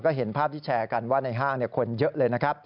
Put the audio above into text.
ก็เห็นภาพที่แชร์กันว่าในห้างคนนี้คนเยอะเลย